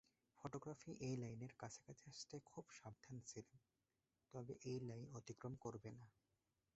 Photography এই লাইনের কাছাকাছি আসতে খুব সাবধান ছিল, তবে এই লাইন অতিক্রম করবে না।